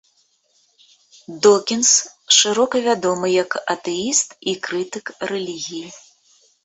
Докінз шырока вядомы як атэіст і крытык рэлігіі.